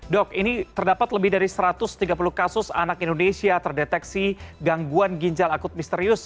dok ini terdapat lebih dari satu ratus tiga puluh kasus anak indonesia terdeteksi gangguan ginjal akut misterius